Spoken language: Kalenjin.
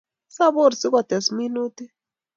Sapor sikotes minutik